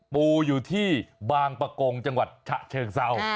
ปูอยู่ที่บางประกงจังหวัดฉะเชิงเศร้า